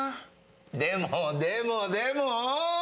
でもでもでも。